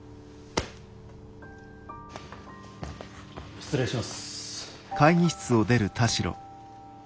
失礼します。